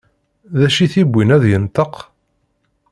D acu i t-yewwin ad d-yenṭeq?